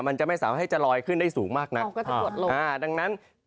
มันจะไม่สามารถให้จะลอยขึ้นได้สูงมากนะ